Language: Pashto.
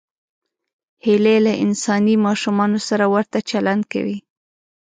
هیلۍ له انساني ماشومانو سره ورته چلند کوي